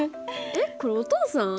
えっこれお父さん？